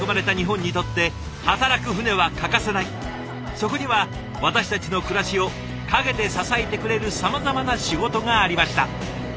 そこには私たちの暮らしを陰で支えてくれるさまざまな仕事がありました。